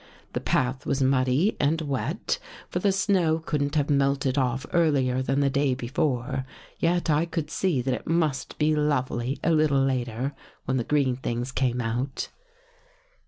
The path was muddy and wet, for the snow couldn't have melted off earlier than the day before, yet I could see that it must be lovely a little later when the green things came out.